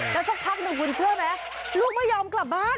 แล้วสักพักหนึ่งคุณเชื่อไหมลูกไม่ยอมกลับบ้าน